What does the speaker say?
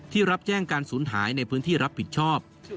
รับแจ้งการสูญหายในพื้นที่รับผิดชอบ